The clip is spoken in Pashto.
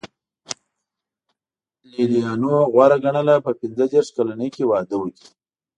لېلیانو غوره ګڼله په پنځه دېرش کلنۍ کې واده وکړي.